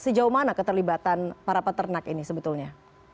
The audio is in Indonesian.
sejauh mana keterlibatan para peternak ini sebetulnya